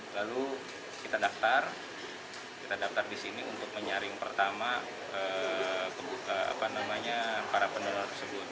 lalu kita daftar kita daftar di sini untuk menyaring pertama para pendonor tersebut